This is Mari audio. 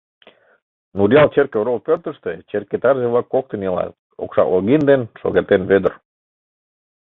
Нуръял черке орол пӧртыштӧ черке тарзе-влак коктын илат: Окшак Логин ден Шогертен Вӧдыр.